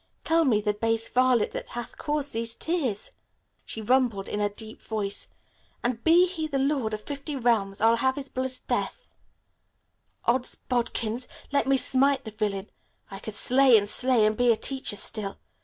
Tell me the base varlet that hath caused these tears," she rumbled in a deep voice, "and be he lord of fifty realms I'll have his blood. 'Sdeath! Odds bodkins! Let me smite the villain. I could slay and slay, and be a teacher still.